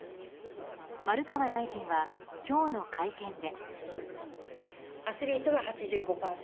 丸川大臣は今日の会見で。